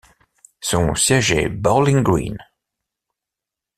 Son siège est Bowling Green.